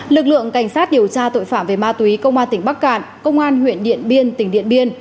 lực lượng cảnh sát điều tra tội phạm về ma túy công an tỉnh bắc cạn công an huyện điện biên tỉnh điện biên